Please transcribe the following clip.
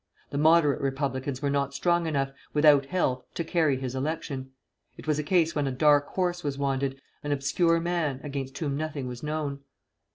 The Moderate Republicans were not strong enough, without help, to carry his election. It was a case when a "dark horse" was wanted, an obscure man, against whom nothing was known.